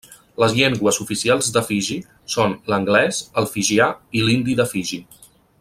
Les llengües oficials de Fiji són l'anglès, el fijià i l'hindi de Fiji.